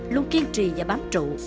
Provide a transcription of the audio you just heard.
luôn kiên trì và bám trụ